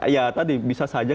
ya tadi bisa saja